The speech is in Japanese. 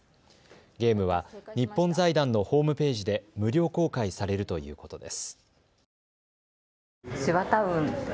ゲームは日本財団のホームページで無料公開されるということです。